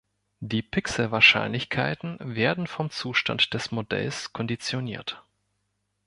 Die Pixelwahrscheinlichkeiten werden vom Zustand des Modells konditioniert.